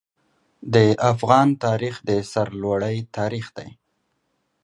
د افغان تاریخ د سرلوړۍ تاریخ دی.